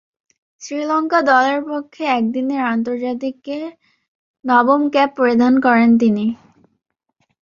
শ্রীলঙ্কা দলের পক্ষে একদিনের আন্তর্জাতিকে নবম ক্যাপ পরিধান করেন তিনি।